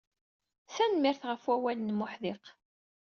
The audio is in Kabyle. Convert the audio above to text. Tanemmirt ɣef wawal-nnem uḥdiq.